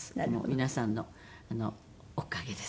皆さんのおかげです。